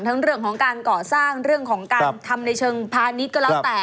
เรื่องของการก่อสร้างเรื่องของการทำในเชิงพาณิชย์ก็แล้วแต่